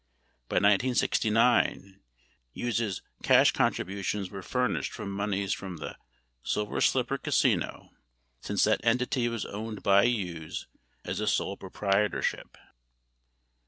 By 1969, Hughes' cash contributions were furnished from moneys from the Silver Slipper Casino, since that entity was owned by Hughes as a sole proprietorship.